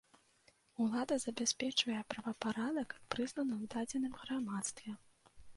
Улада забяспечвае правапарадак, прызнаны ў дадзеным грамадстве.